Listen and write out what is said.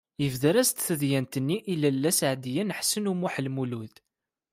Yebder-as-d tadyant-nni i Lalla Seɛdiya n Ḥsen u Muḥ Lmlud.